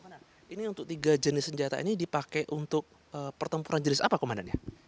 ini untuk tiga jenis senjata ini dipakai untuk pertempuran jenis apa komandannya